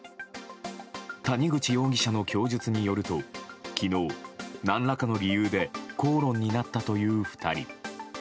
谷口容疑者の供述によると昨日、何らかの理由で口論になったという２人。